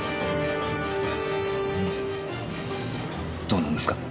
どうなんですか？